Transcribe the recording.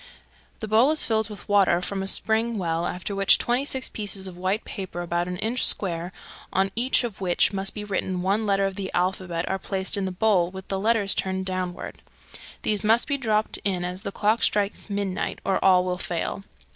The bowl is filled with water from a spring well, after which twenty six pieces of white paper about an inch square, on each of which must be written one letter of the alphabet, are placed in the bowl with the letters turned downward. These must be dropped in as the clock strikes midnight, or all will fail.